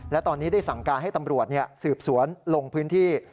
และตอนนี้ได้สั่งการให้ตำรวจสืบสวนลงพื้นที่